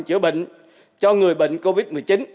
chữa bệnh cho người bệnh covid một mươi chín